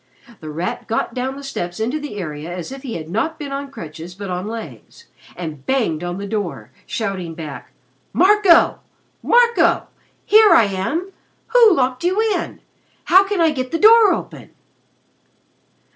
The Rat got down the steps into the area as if he had not been on crutches but on legs, and banged on the door, shouting back: "Marco! Marco! Here I am! Who locked you in? How can I get the door open?"